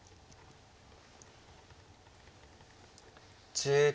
１０秒。